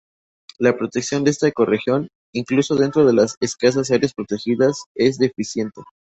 La protección de esta ecorregión, incluso dentro de las escasas áreas protegidas, es deficiente.